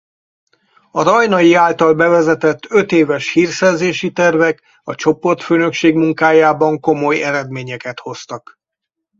A Rajnai által bevezetett ötéves hírszerzési tervek a csoportfőnökség munkájában komoly eredményeket hoztak.